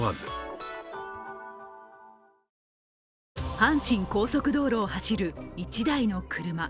阪神高速道路を走る１台の車。